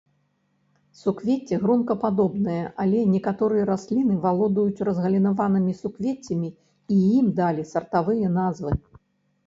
Суквецце гронкападобнае, але некаторыя расліны валодаюць разгалінаванымі суквеццямі і ім далі сартавыя назвы.